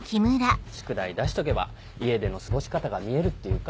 宿題出しとけば家での過ごし方が見えるっていうか。